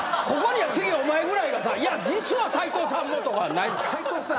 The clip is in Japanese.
ここには次はお前ぐらいがさ「いや実は斎藤さんも」とかないの？